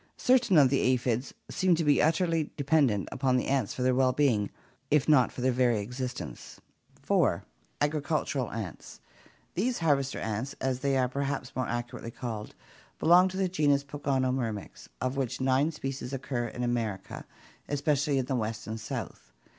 Certain of the aphids seem to be utterly dependent upon the ants for their well being if not for their very existence. 4. Agricultural ants. These harvester ants, as they are perhaps more accurately called, belong to the genus Pogonomyrmex, of which nine species occur in America, especially in the West and South.